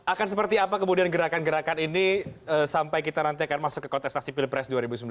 akan seperti apa kemudian gerakan gerakan ini sampai kita nanti akan masuk ke kontestasi pilpres dua ribu sembilan belas